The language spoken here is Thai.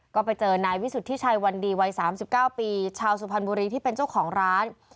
ก็ไปเจอนายวิสุทธิชัยวันดีวัย๓๙ปีชาวสุพรรณบุรีที่เป็นเจ้าของร้าน